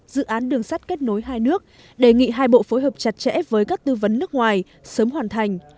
dự án đường sắt kết nối hai nước đề nghị hai bộ phối hợp chặt chẽ với các tư vấn nước ngoài sớm hoàn thành